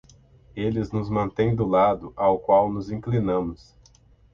Eles nos mantêm do lado ao qual nos inclinamos.